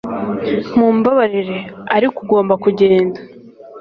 Mumbabarire, ariko ugomba kugenda